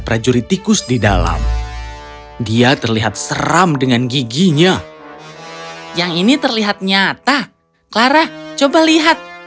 prajurit tikus di dalam dia terlihat seram dengan giginya yang ini terlihat nyata clara coba lihat